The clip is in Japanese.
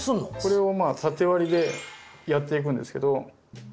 これを縦割りでやっていくんですけど。